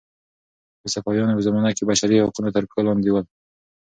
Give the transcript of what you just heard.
د صفویانو په زمانه کې بشري حقونه تر پښو لاندې ول.